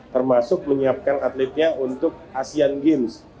termasuk menyiapkan atletnya untuk asean games